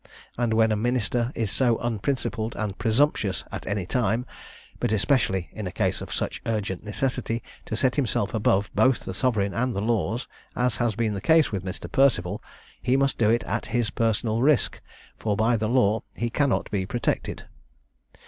And when a minister is so unprincipled and presumptuous at any time, but especially in a case of such urgent necessity, to set himself above both the sovereign and the laws, as has been the case with Mr. Perceval, he must do it at his personal risk; for by the law he cannot be protected.